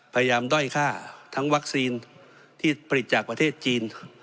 ด้อยค่าทั้งวัคซีนที่ผลิตจากประเทศจีน